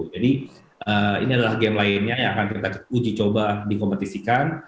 jadi ini adalah game lainnya yang akan kita uji coba dikompetisikan